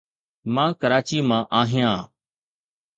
مان ڪراچي مان آهيان.